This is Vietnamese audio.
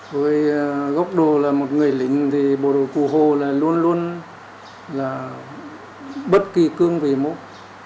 với gốc đồ là một người lính thì bộ đội cụ hồ là luôn luôn là bất kỳ cương vị mốt